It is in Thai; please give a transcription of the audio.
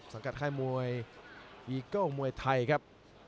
สังกัดค่ายมวยอีเกิลมวยไทยครับ